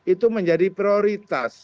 itu menjadi prioritas